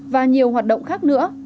và nhiều hoạt động khác nữa